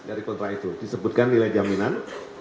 poin dua belas dari kontra itu disebutkan nilai jaminan